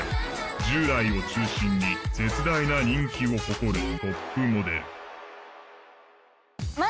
１０代を中心に絶大な人気を誇るトップモデル。